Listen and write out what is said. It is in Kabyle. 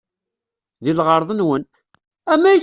Deg lɣeṛḍ-nwen!